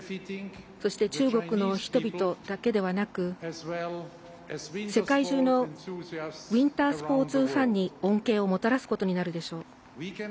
そして中国の人々だけではなく世界中のウインタースポーツファンに恩恵をもたらすことになるでしょう。